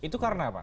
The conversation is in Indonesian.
itu karena apa